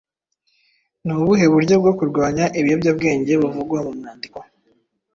Ni ubuhe buryo bwo kurwanya ibiyobyabwenge buvugwa mu mwandiko?